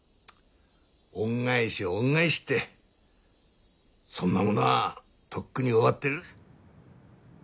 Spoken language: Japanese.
恩返し恩返しってそんなものはとっくに終わってる。